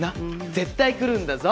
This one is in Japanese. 絶対来るんだぞ！